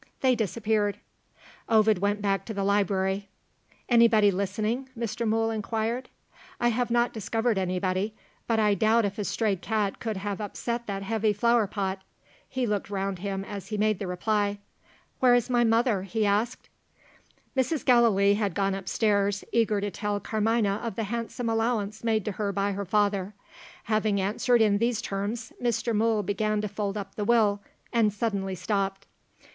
They disappeared. Ovid went back to the library. "Anybody listening?" Mr. Mool inquired. "I have not discovered anybody, but I doubt if a stray cat could have upset that heavy flower pot." He looked round him as he made the reply. "Where is my mother?" he asked. Mrs. Gallilee had gone upstairs, eager to tell Carmina of the handsome allowance made to her by her father. Having answered in these terms, Mr. Mool began to fold up the Will and suddenly stopped.